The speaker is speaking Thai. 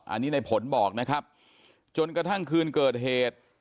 อันนี้ในผลบอกนะครับจนกระทั่งคืนเกิดเหตุ